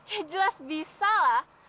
ya jelas bisa lah